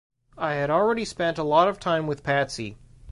I had already spent a lot of time with Patsy.